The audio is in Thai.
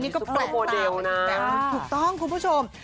ซุปเปอร์โมเดลนะถูกต้องคุณผู้ชม